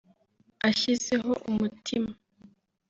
ashyizeho umutima”